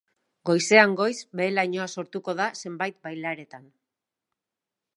Goizean goiz behe-lainoa sortuko da zenbait bailaretan.